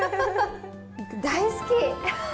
大好き！